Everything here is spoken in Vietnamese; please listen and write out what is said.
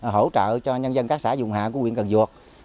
hỗ trợ cho nhân dân các xã dùng hạ của huyện cần duộc